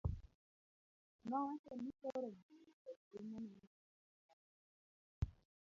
nowacho ni koro ng'ano to chuno ni ong'i gi laktar